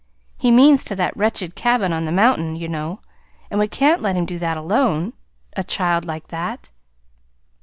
He means to that wretched cabin on the mountain, you know; and we can't let him do that alone a child like that!"